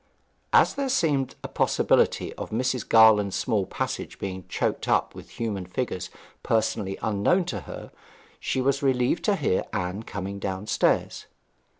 As there seemed a possibility of Mrs. Garland's small passage being choked up with human figures personally unknown to her, she was relieved to hear Anne coming downstairs.